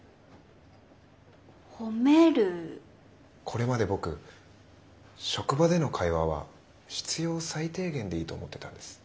これまで僕職場での会話は必要最低限でいいと思ってたんです。